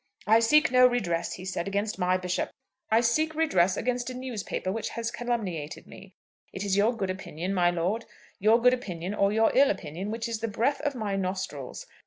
"I seek no redress," he said, "against my bishop. I seek redress against a newspaper which has calumniated me. It is your good opinion, my lord, your good opinion or your ill opinion which is the breath of my nostrils.